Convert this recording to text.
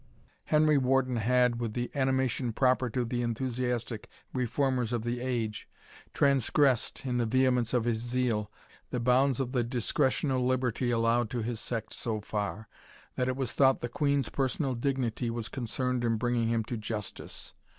Henry Warden had, with the animation proper to the enthusiastic reformers of the age, transgressed, in the vehemence of his zeal, the bounds of the discretional liberty allowed to his sect so far, that it was thought the Queen's personal dignity was concerned in bringing him to justice.